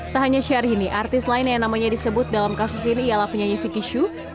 tak hanya syahrini artis lain yang namanya disebut dalam kasus ini ialah penyanyi vicky shu